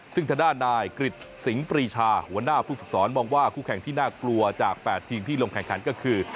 ซึ่งทางด้านนายกริจสิงหรีชาหัวหน้าผู้ฝึกสอนมองว่าคู่แข่งที่น่ากลัวจาก๘ทีมที่ลงแข่งขันก็คือ